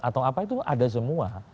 atau apa itu ada semua